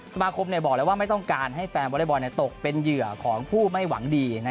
สมาคมบอกแล้วว่าไม่ต้องการให้แฟนวอเล็กบอลตกเป็นเหยื่อของผู้ไม่หวังดี